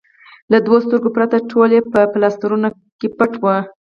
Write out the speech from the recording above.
له دوو سترګو پرته ټول مخ یې په پلاسټرونو کې پټ و.